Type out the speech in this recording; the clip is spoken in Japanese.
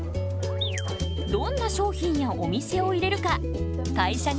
どんな商品やお店を入れるか会社に提案。